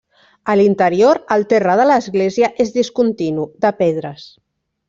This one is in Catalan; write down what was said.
A l'interior, el terra de l'església és discontinu, de pedres.